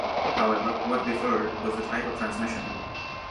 However, what differed was the type of transmission.